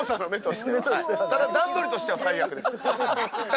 ただ段取りとしては最悪です。